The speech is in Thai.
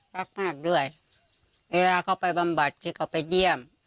รักมากด้วยเวลาเขาไปบำบัดคือเขาไปเยี่ยม